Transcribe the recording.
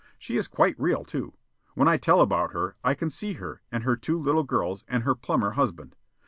She is quite real, too. When I tell about her, I can see her, and her two little girls, and her plumber husband.